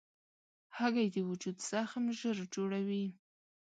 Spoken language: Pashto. هګۍ د وجود زخم ژر جوړوي.